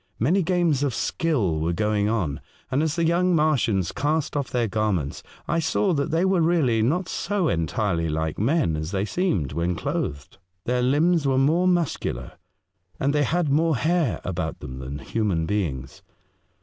Many games of skill were going on, and as the young Martians cast off their garments, I saw that they were really not so entirely like men as they seemed when clothed. Their limbs were more muscular, and they had more hair about them than human beings.